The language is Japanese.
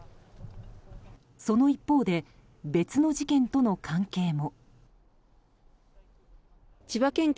その一方で別の事件との関係も。